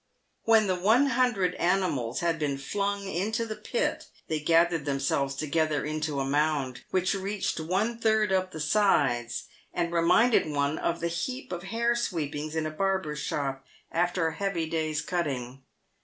When the one hundred animals had been flung into the pit, they gathered themselves together into a mound, which reached one third up the sides, and reminded one of the heap of hair sweepings in a barber's shop after a heavy day's cutting.